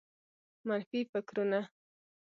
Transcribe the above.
منفي فکرونه